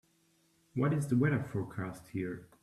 What is the weather forecast here